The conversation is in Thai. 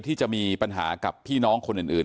ที่จะมีปัญหากับพี่น้องคนอื่น